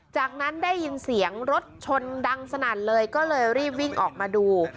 จากนั้นได้ยินเสียงรถชนดังสนั่นเลยก็เลยรีบวิ่งออกมาดู